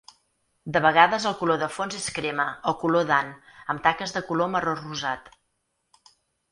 De vegades el color de fons és crema o color d'ant amb taques de color marró-rosat.